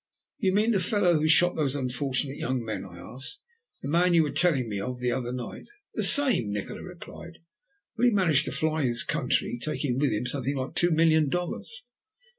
"Do you mean the fellow who shot those unfortunate young men?" I asked. "The man you were telling me of the other night." "The same," Nikola replied. "Well, he managed to fly his country, taking with him something like two million dollars.